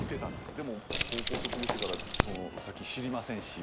でも高校卒業してからその先知りませんし。